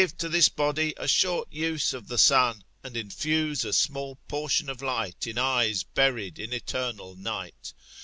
Give to this dead body a short use of the sun, and infuse a small portion of light in eyes buried in eternal night.